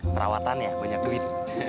perawatan ya banyak duit